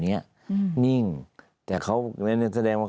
แต่ได้ยินจากคนอื่นแต่ได้ยินจากคนอื่น